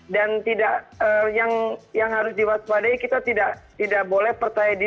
dan yang harus diwaspadai kita tidak boleh percaya diri